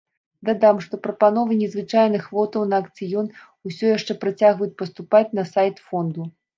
Дадам, што прапановы незвычайных лотаў на аўкцыён усё яшчэ працягваюць паступаць на сайт фонду.